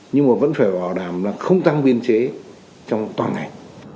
nhưng mà vẫn phải bảo đảm là không tăng viên chế trong toàn ngày